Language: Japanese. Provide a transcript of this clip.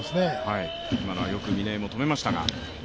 今のはよく嶺井も止めましたが。